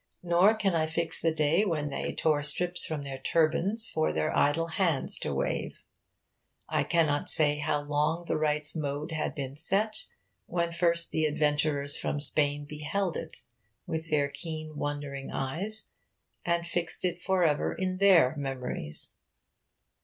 Nor can I fix the day when they tore strips from their turbans for their idle hands to wave. I cannot say how long the rite's mode had been set when first the adventurers from Spain beheld it with their keen wondering eyes and fixed it for ever in their memories.